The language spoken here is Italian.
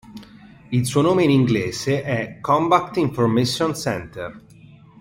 Il suo nome in inglese è "combat information center".